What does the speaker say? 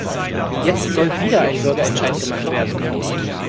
Jetzt soll wieder ein Bürgerentscheid gemacht werden.